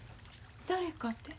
誰かて？